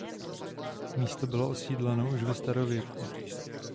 Místo bylo osídleno už ve starověku.